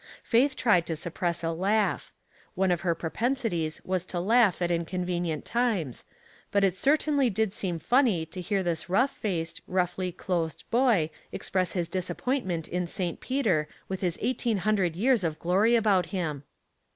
Faith tried to suppress a laugh ; one of her propensities was to laugh at inconvenient times, but it certainly did seem funny to hear this rough faced, roughly clothed boy express his disappointment in St. Peter with his eighteen hundred years of glory about him.